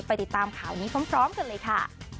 ติดตามข่าวนี้พร้อมกันเลยค่ะ